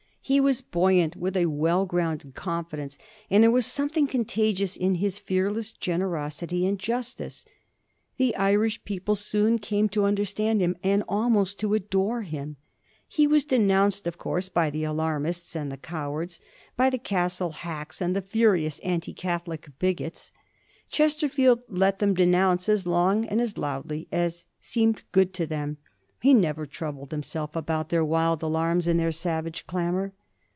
He was buoyant with a well grounded confidence ; and there was something contagious in his fearless generosity and justice. The Irish people soon came to understand him, and almost to adore him. He was denounced, of course, by the alarmists and the cow ards ; by the Castle hacks and the furious anti Catholic bigots. Chesterfield let them denounce as long and as loudly as seemed good to them. He never troubled him self about their wild alarms and their savage clamor.